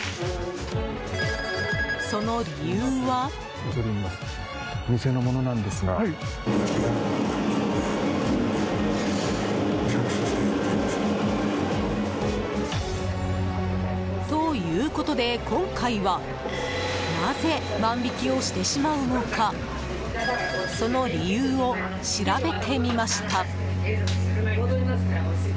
その理由は。ということで、今回はなぜ万引きをしてしまうのかその理由を調べてみました。